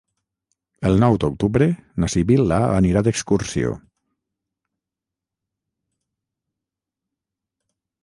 El nou d'octubre na Sibil·la anirà d'excursió.